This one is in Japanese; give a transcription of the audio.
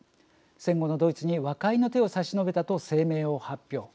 戦後のドイツに和解の手を差し伸べた」と声明を発表。